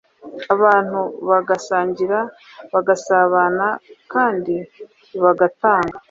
abantu bagasangira bagasabana kandi bagatanga.